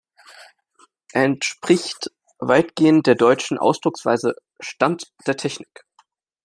Er entspricht weitgehend der deutschen Ausdrucksweise „Stand der Technik“.